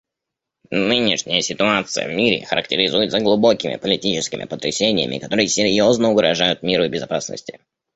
Нынешняя ситуация в мире характеризуется глубокими политическими потрясениями, которые серьезно угрожают миру и безопасности.